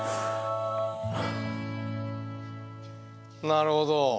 なるほど。